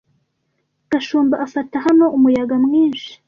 Gashumba afata hano umuyaga mwinshi,